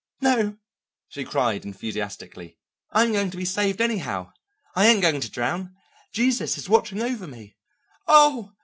"No," she cried enthusiastically, "I'm going to be saved anyhow; I ain't going to drown; Jesus is watching over me. Oh!"